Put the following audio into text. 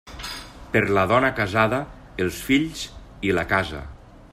Per la dona casada, els fills i la casa.